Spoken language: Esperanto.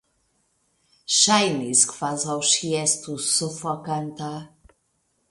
Ŝajnis, kvazaŭ ŝi estus sufokonta.